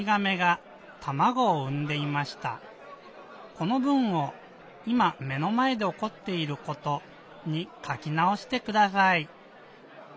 この文をいま目のまえでおこっていることにかきなおしてください。